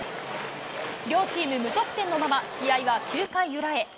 両チーム無得点のまま試合は９回裏へ。